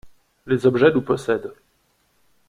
Les objets nous possèdent.